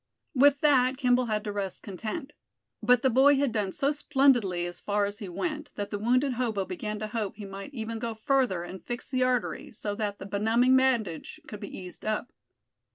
With that Kimball had to rest content. But the boy had done so splendidly as far as he went, that the wounded hobo began to hope he might even go further, and fix the artery, so that the benumbing bandage could be eased up.